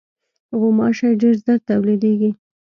غوماشې ډېر ژر تولیدېږي.